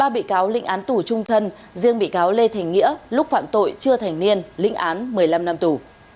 ba bị cáo linh án tù trung thân riêng bị cáo lê thành nghĩa lúc phạm tội chưa thành niên lĩnh án một mươi năm năm tù